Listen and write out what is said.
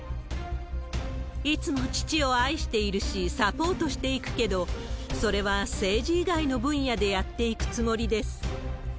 いつも父を愛しているし、サポートしていくけど、それは政治以外の分野でやっていくつもりです。